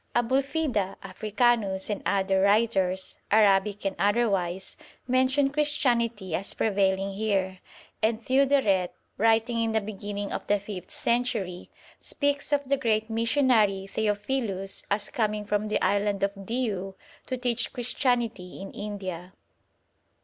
Abu'lfida, Africanus, and other writers, Arabic and otherwise, mention Christianity as prevailing here, and Theodoret, writing in the beginning of the fifth century, speaks of the great missionary Theophilus as coming from the island of Diu to teach Christianity in India.